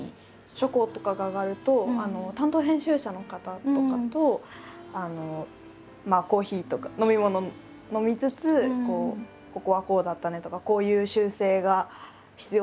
初稿とかが上がると担当編集者の方とかとコーヒーとか飲み物を飲みつつ「ここはこうだったね」とか「こういう修正が必要だよね」